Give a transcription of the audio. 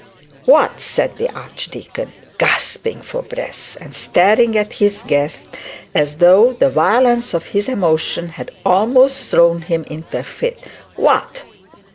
'What!' said the archdeacon, gasping for breath, and staring at his guest as though the violence of his emotion had almost thrown him into a fit. 'What!'